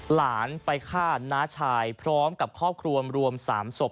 หลานไปฆ่าน้าชายพร้อมกับครอบครัวรวม๓ศพ